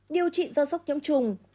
điều trị do sốc nhóm trùng